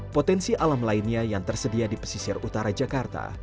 potensi alam lainnya yang tersedia di pesisir utara jakarta